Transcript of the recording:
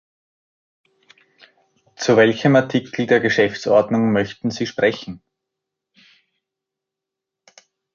Zu welchem Artikel der Geschäftsordnung möchten Sie sprechen?